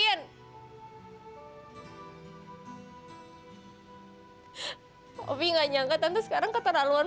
saya tidak sangka tante sekarang sangat keterlaluan